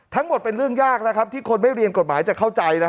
ทั้งหมดเป็นเรื่องยากนะครับที่คนไม่เรียนกฎหมายจะเข้าใจ